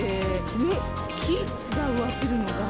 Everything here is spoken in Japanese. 上、木が植わってるのが。